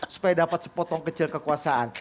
supaya dapat sepotong kecil kekuasaan